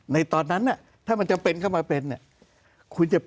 ในตอนนั้นถ้ามันจำเป็นเข้ามาเป็นเนี่ย